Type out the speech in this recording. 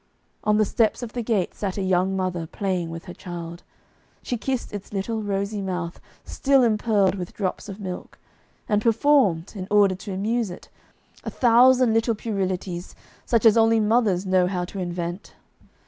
On the steps of the gate sat a young mother playing with her child. She kissed its little rosy mouth still impearled with drops of milk, and performed, in order to amuse it, a thousand divine little puerilities such as only mothers know how to invent.